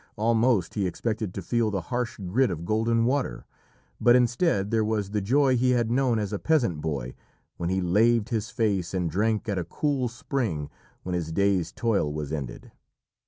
Almost he expected to feel the harsh grit of golden water, but instead there was the joy he had known as a peasant boy when he laved his face and drank at a cool spring when his day's toil was ended.